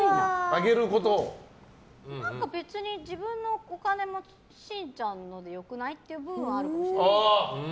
別に、自分のお金も伸ちゃんのでよくない？って部分はあるかもしれない。